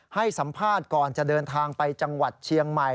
ให้สัมภาษณ์ก่อนจะเดินทางไปจังหวัดเชียงใหม่